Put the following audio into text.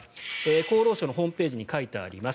厚労省のホームページに書いてあります。